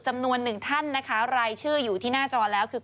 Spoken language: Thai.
จำนวนหนึ่งท่านนะคะรายชื่ออยู่ที่หน้าจอแล้วคือ